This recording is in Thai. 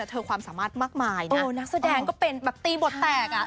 เธอความสามารถมากมายนะนักแสดงก็เป็นแบบตีบทแตกอ่ะ